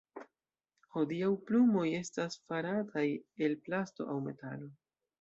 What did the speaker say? Hodiaŭ, plumoj estas farataj el plasto aŭ metalo.